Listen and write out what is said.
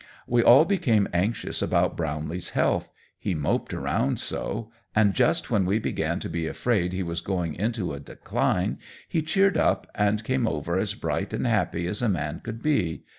We all became anxious about Brownlee's health he moped around so; and just when we began to be afraid he was going into a decline he cheered up, and came over as bright and happy as a man could be.